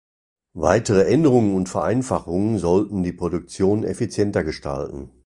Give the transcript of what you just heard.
Weitere Änderungen und Vereinfachungen sollten die Produktion effizienter gestalten.